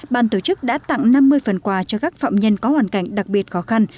ban tổ chức đã tặng năm mươi phần quà cho các phạm nhân có hoàn cảnh đặc biệt khó khăn